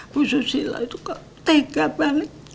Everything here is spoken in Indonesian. bu susila itu kok tega banget